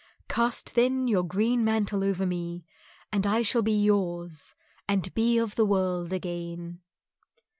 Cast then your green mantle over me, and I shall be yours, and be of the world again."